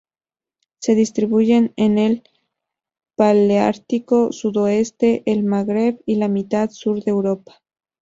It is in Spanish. Se distribuyen por el paleártico sudoeste: el Magreb y la mitad sur de Europa.